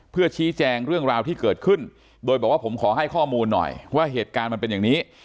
เพื่อชี้แจงเรื่องราวที่เกิดขึ้นโดยบอกว่าผมขอให้ข้อมูลหน่อยว่าเหตุการณ์มันเป็นอย่างนี้